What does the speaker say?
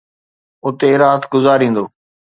اتي رات گذاريندو